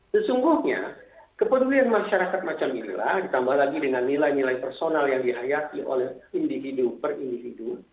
sesungguhnya kepedulian masyarakat macam inilah ditambah lagi dengan nilai nilai personal yang dihayati oleh individu per individu